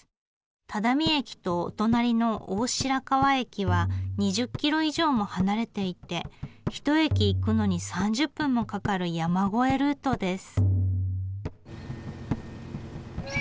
只見駅とお隣の大白川駅は２０キロ以上も離れていてひと駅行くのに３０分もかかる山越えルートです。